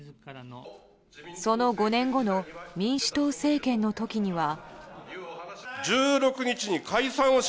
その５年後の民主党政権の時には。